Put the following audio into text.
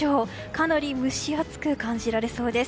かなり蒸し暑く感じられそうです。